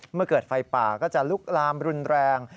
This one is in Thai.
เมื่อเกิดไฟป่าก็จะลุกลามรุนแรง